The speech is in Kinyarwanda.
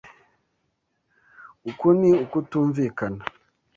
Uku ni ukutumvikana.